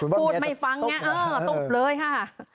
พูดไม่ฟังตุ๊บเลยค่ะ